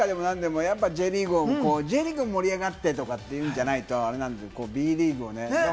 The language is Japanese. サッカーでも何でもＪリーグ盛り上がってというんじゃないとあれだし、Ｂリーグもね。